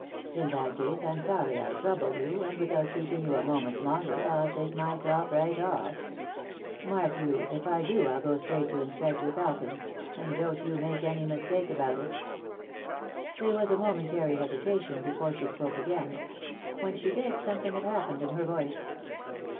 In that case I'm sorry I troubled you, and without keeping you a moment longer, I'll take myself right off. Mark you, if I do I'll go straight to Inspector Felkin, and don't you make any mistake about it." There was a momentary hesitation before she spoke again. When she did something had happened to her voice.